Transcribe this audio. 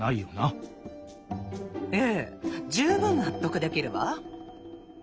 ええ十分納得できるわ。